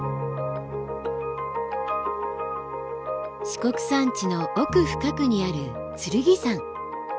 四国山地の奥深くにある剣山。